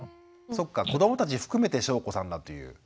そっか子どもたち含めて翔子さんだという。